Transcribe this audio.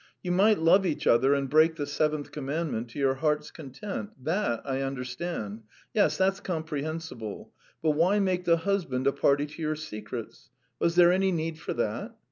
You might love each other and break the seventh commandment to your heart's content that I understand. Yes, that's comprehensible. But why make the husband a party to your secrets? Was there any need for that?"